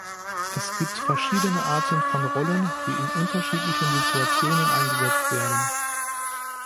Es gibt verschiedene Arten von Rollen, die in unterschiedlichen Situationen eingesetzt werden.